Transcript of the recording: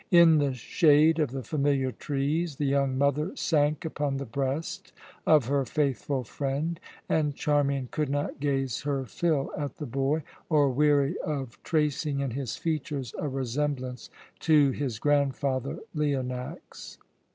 In the shade of the familiar trees the young mother sank upon the breast of her faithful friend, and Charmian could not gaze her fill at the boy, or weary of tracing in his features a resemblance to his grandfather Leonax.